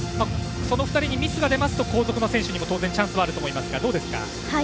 その２人にミスが出ますと後続の選手にも当然チャンスはあると思いますがどうでしょうか？